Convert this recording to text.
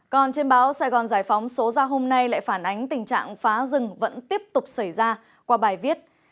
còn trên báo sài gòn giải phóng số ra hôm nay lại phản ánh tình trạng phá rừng vẫn tiếp tục xảy ra qua bài viết